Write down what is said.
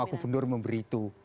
dan juga yang mendorong memberi itu